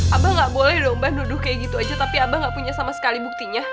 abah gak boleh dong mbak duduk kayak gitu aja tapi abah gak punya sama sekali buktinya